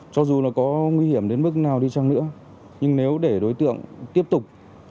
cho dù là có nguy hiểm đến mức nào đi chăng nữa nhưng nếu để đối tượng tiếp tục